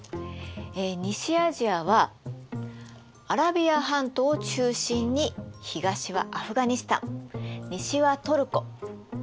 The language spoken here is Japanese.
西アジアはアラビア半島を中心に東はアフガニスタン西はトルコ。